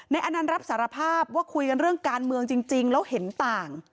อนันต์รับสารภาพว่าคุยกันเรื่องการเมืองจริงแล้วเห็นต่าง